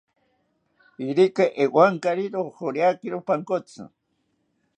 Irika ewankari rojoriakiro pankotsi